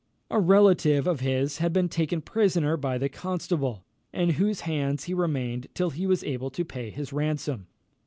A relative of his had been taken prisoner by the Constable, in whose hands he remained till he was able to pay his ransom.